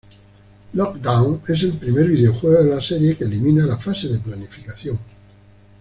Lockdown es el primer videojuego de la serie que elimina la fase de planificación.